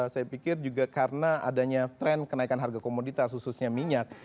saya pikir juga karena adanya tren kenaikan harga komoditas khususnya minyak